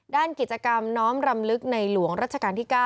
ด้านกิจกรรมน้อมรำลึกในหลวงรัชกาลที่๙